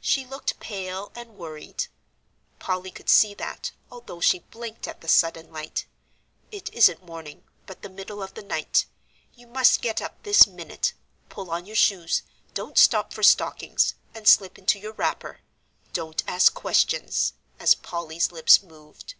She looked pale and worried; Polly could see that, although she blinked at the sudden light. "It isn't morning, but the middle of the night. You must get up this minute. Pull on your shoes; don't stop for stockings, and slip into your wrapper. Don't ask questions," as Polly's lips moved.